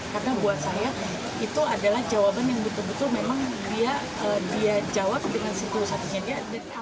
karena buat saya itu adalah jawaban yang betul betul dia jawab dengan setulusannya